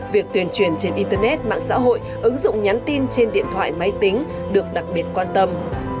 việc tuyên truyền trên internet mạng xã hội ứng dụng nhắn tin trên điện thoại máy tính được đặc biệt quan tâm